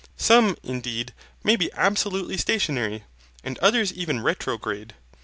Some, indeed, may be absolutely stationary, and others even retrograde.